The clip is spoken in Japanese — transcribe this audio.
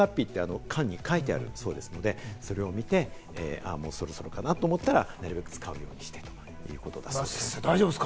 製造年月日って、缶に書いてあるそうですので、それを見てそろそろかなと思ったら、なるべく使うようにしてということです。